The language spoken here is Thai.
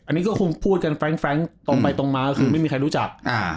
อันนี้ก็คงพูดกันแฟรงค์ตรงไปตรงมาก็คือไม่มีใครรู้จักอ่า